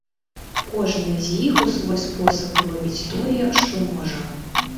Кожны з іх у свой спосаб робіць тое, што можа.